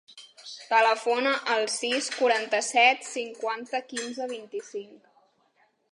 Telefona al sis, quaranta-set, cinquanta, quinze, vint-i-cinc.